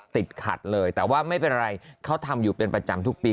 ติดขัดเลยแต่ว่าไม่เป็นไรเขาทำอยู่เป็นประจำทุกปี